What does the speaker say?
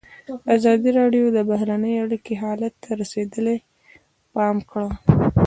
ازادي راډیو د بهرنۍ اړیکې حالت ته رسېدلي پام کړی.